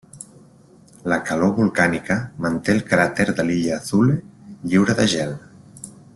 La calor volcànica manté el cràter de l’illa Thule lliure de gel.